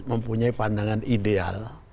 mempunyai pandangan ideal